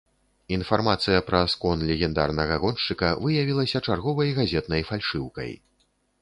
Інфармацыя пра скон легендарнага гоншчыка выявілася чарговай газетнай фальшыўкай.